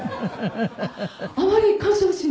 「あまり干渉しない？」